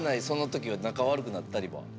その時は仲悪くなったりは？